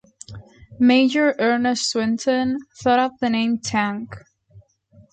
Major Ernest Swinton thought up the name "tank".